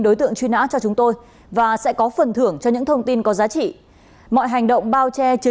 đối tượng này cao một m sáu mươi ba và có nốt ruồi ở đuôi lông mày trái